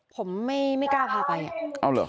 ผมไม่กล้าพาไปอ่ะเอาเหรอ